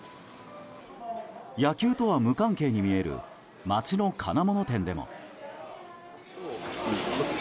野球とは無関係に見える街の金物店でも。